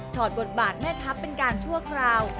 อดบทบาทแม่ทัพเป็นการชั่วคราว